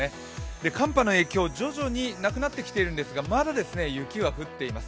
寒波の影響、徐々になくなってきているんですが、まだ雪は降っています。